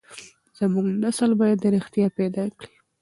زموږ نسل بايد رښتيا پيدا کړي.